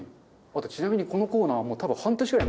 あとちなみにこのコーナー多分。